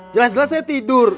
jelas jelas saya tidur